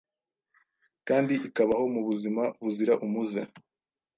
kandi ikabaho mu buzima buzira umuze